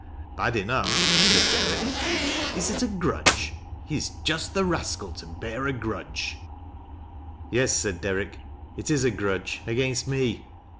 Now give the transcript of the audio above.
" Bad enough," said Derrick. "Is it a grudge? He is just the rascal to bear & grudge." " Yes," said Derrick. " It is a grudge against me."